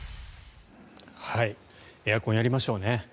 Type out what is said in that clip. エアコンやりましょうね。